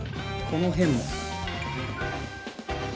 この辺も。